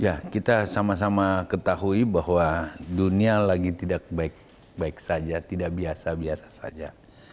ya kita sama sama ketahui bahwa dunia lagi tidak baik baik saja tidak biasa biasa saja